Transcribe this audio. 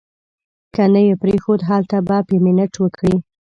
که نه یې پرېښود هلته به پیمنټ وکړي.